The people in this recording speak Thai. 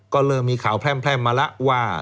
ก็เริ่มมีข่าวแพร่มมาแล้วว่า